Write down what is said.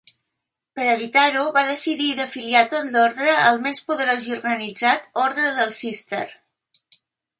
Per evitar-ho, va decidir d'afiliar tot l'orde al més poderós i organitzat Orde del Cister.